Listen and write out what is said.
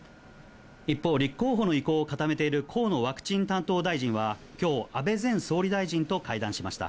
一方、立候補の意向を固めている河野ワクチン担当大臣は、きょう、安倍前総理大臣と会談しました。